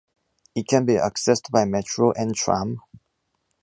It can be accessed by metro and tram.